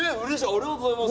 ありがとうございます。